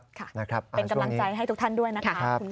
เป็นกำลังใจให้ทุกท่านด้วยนะครับ